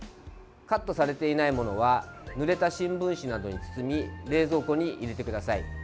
カットされていないものはぬれた新聞紙などに包み冷蔵庫に入れてください。